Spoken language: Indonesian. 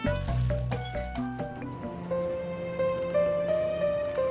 gak bisa disini saja